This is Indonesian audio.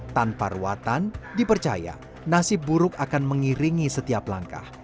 tanpa ruatan dipercaya nasib buruk akan mengiringi setiap langkah